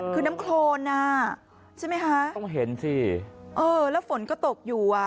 คือน้ำโครนอ่ะใช่ไหมคะต้องเห็นสิเออแล้วฝนก็ตกอยู่อ่ะ